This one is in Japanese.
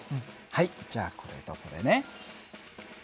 はいじゃあこれとこれね。